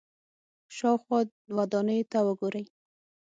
شاوخوا ودانیو ته وګورئ.